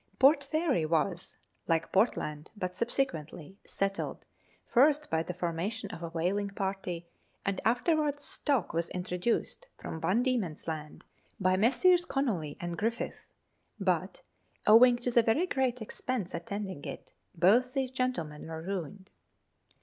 Port Fairy was (like Portland, but subsequently _) settled first by the formation of a whaling party, and afterwards stock was intro duced from Van Diemen's Land by Messrs. Conolly and Griffiths, but, owing to the very great expense attending it, both these gentlemen were ruined.